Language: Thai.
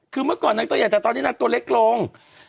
คือเมื่อก่อนนางตัวใหญ่แต่ตอนนี้นางตัวเล็กลง